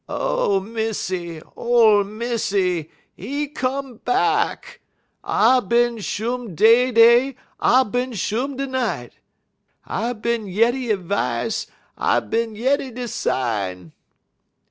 "Ole Missy! Ole Missy! 'E come back! I bin shum dey dey, I bin shum de night! I bin yeddy 'e v'ice, I bin yeddy de sign!"